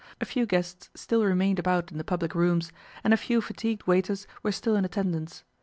A few guests still remained about in the public rooms, and a few fatigued waiters were still in attendance.